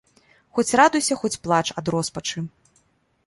Хоць радуйся, хоць плач ад роспачы.